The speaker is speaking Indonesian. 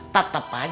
tetep aja kurang